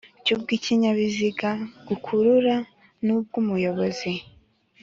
/ cy’ubwikinyabiziga gukurura nubwumuyobozi